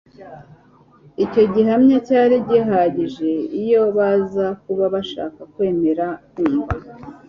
Icyo gihamya cyari gihagije, iyo baza kuba bashaka kwemera kumva.